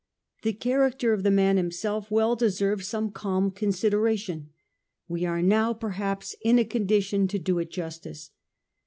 The character of the man himself well deserves some calm consideration. We are now, perhaps, in a condition to do it justice.